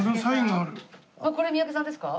これ三宅さんですか？